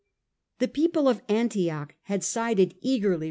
The people of Antioch had sided eagerly with A.